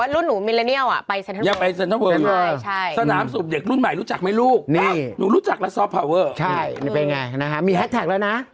รุ่นพวกเธอรุ่นเด็กมีพวกมีพวก